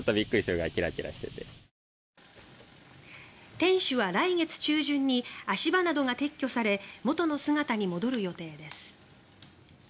天守は来月中旬に足場などが撤去され元の姿に戻る予定です。